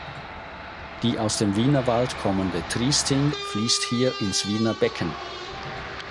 Die aus dem Wienerwald kommende Triesting fließt hier ins Wiener Becken.